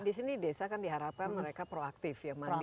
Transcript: dan di sini desa kan diharapkan mereka proaktif ya